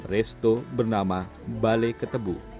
resto bernama balai ketebu